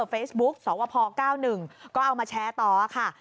เฟซบุ๊กสวพ๙๑ก็เอามาแชร์ต่อค่ะ